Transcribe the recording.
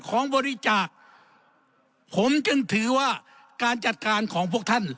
ของบริจาคผมจึงถือว่าการจัดการของพวกท่าน